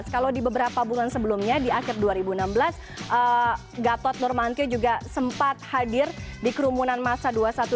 kalau di beberapa bulan sebelumnya di akhir dua ribu enam belas gatot nurmantio juga sempat hadir di kerumunan masa dua ratus dua belas